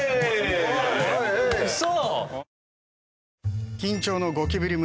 ウソ！？